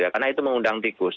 karena itu mengundang tikus